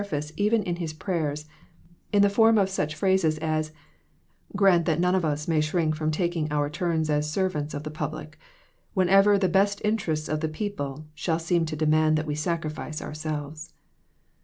face even in his prayers, at least in the family circle, in the form of some such phrase as "Grant that none of us may shrink from taking our turns as servants of the public, whenever the best interests of the people shall seem to demand that we so sacrifice ourselves."